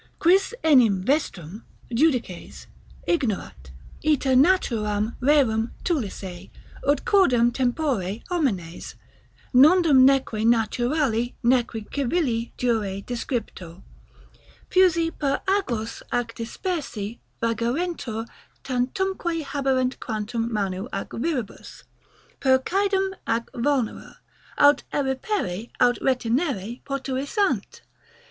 'Quis enim vestrum, judices, ignorat, ita naturam rerum tulisse, ut quodam tempore homines, nondum neque naturali neque civili jure descripto, fusi per agros ac dispersi vagarentur tantumque haberent quantum manu ac viribus, per caedem ac vulnera, aut eripere aut retinere potuissent?